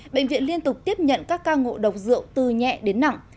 bệnh viện liên tục tiếp nhận các ca ngộ độc rượu từ nhẹ đến nặng